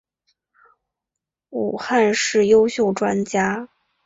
武汉市优秀专家。